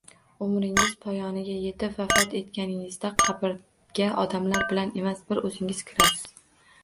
Umringiz poyoniga yetib, vafot etganingizda qabrga odamlar bilan emas, bir o‘zingiz kirasiz.